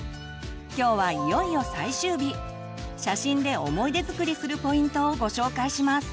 今日はいよいよ最終日写真で思い出づくりするポイントをご紹介します！